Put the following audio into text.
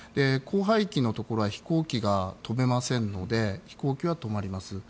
降灰域のところは飛行機が飛べませんので飛行機は止まります。